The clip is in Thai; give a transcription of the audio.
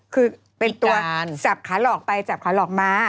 คือเป็นตัวสับขาหลอกไปจับขาหลอกมา